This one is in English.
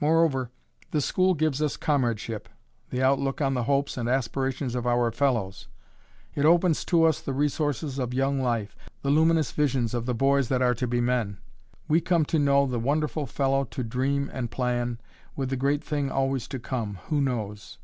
Moreover, the school gives us comradeship, the outlook on the hopes and aspirations of our fellows. It opens to us the resources of young life, the luminous visions of the boys that are to be men. We come to know "the wonderful fellow to dream and plan, with the great thing always to come, who knows?"